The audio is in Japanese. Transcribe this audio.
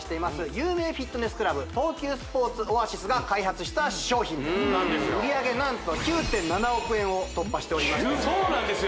有名フィットネスクラブ東急スポーツオアシスが開発した商品で売り上げ何と９．７億円を突破しておりましてそうなんですよ